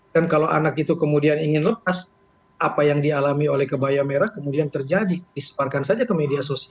dan kalau anak itu kemudian ingin lepas apa yang dialami oleh keboya merah kemudian terjadi diseparkan saja ke media sosial